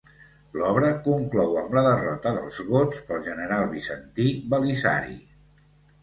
L'obra conclou amb la derrota dels gots pel general bizantí Belisari.